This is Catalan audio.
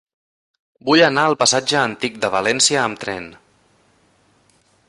Vull anar al passatge Antic de València amb tren.